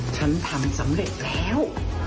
ฉันทำสำเร็จแล้ว